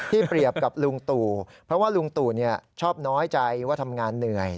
เปรียบกับลุงตู่เพราะว่าลุงตู่ชอบน้อยใจว่าทำงานเหนื่อย